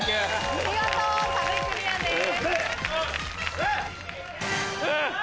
見事壁クリアです。